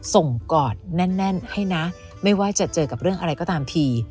กอดแน่นให้นะไม่ว่าจะเจอกับเรื่องอะไรก็ตามที